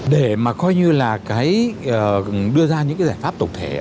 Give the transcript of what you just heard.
để mà coi như là cái đưa ra những cái giải pháp tổng thể